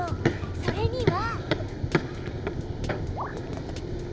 それには。